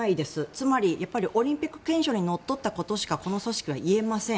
つまり、オリンピック憲章にのっとったことしかこの組織は言えません。